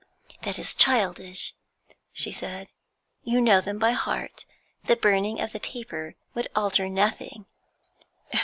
'That is childish,' she said. 'You know them by heart; the burning of the paper would alter nothing.'